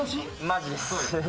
マジです。